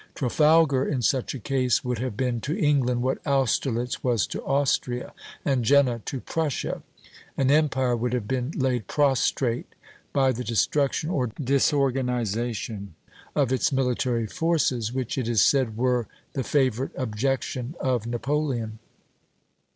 Trafalgar in such a case would have been to England what Austerlitz was to Austria, and Jena to Prussia; an empire would have been laid prostrate by the destruction or disorganization of its military forces, which, it is said, were the favorite objective of Napoleon.